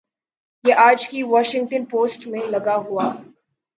یہ آج کی واشنگٹن پوسٹ میں لکھا ہوا